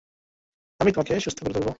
আমি তোমাকে সুস্থ করে তুলব।